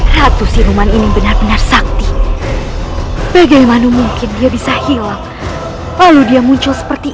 satu siruman ini benar benar sakti bagaimana mungkin dia bisa hilang lalu dia muncul seperti